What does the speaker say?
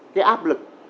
cái áp lực